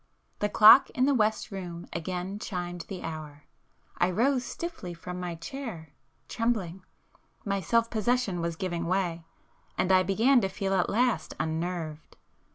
The clock in the west room again chimed the hour. I rose stiffly from my chair, trembling,—my self possession was giving way, and I began to feel at last unnerved.